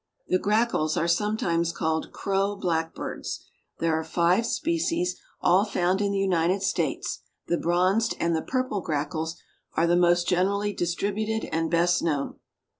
The Grackles are sometimes called Crow Blackbirds. There are five species, all found in the United States, The Bronzed and the Purple Grackles are the most generally distributed and best known.